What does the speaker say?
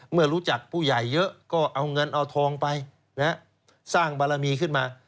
เมื่อรู้จักผู้ใหญ่เยอะก็เอาเงินเอาทองไปสร้างบารมีขึ้นมา